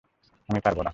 আমি পারবো না!